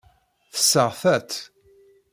Tesseɣta-tt.